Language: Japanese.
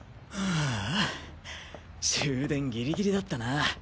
ああ終電ギリギリだったなあ。